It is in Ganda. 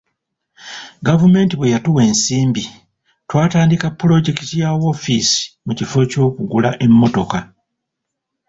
Gavumenti bwe yatuwa ensimbi, twatandika pulojekiti ya woofiisi mu kifo ky'okugula emmotoka.